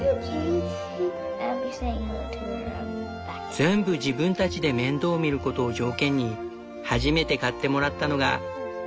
全部自分たちで面倒みることを条件に初めて買ってもらったのが日本原産の白いチャボ。